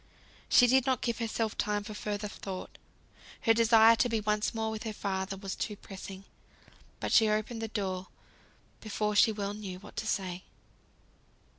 She did not give herself time for further thought, her desire to be once more with her father was too pressing; but she opened the door, before she well knew what to say.